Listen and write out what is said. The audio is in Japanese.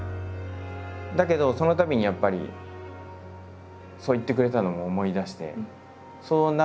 だけどそのたびにやっぱりそう言ってくれたのを思い出して。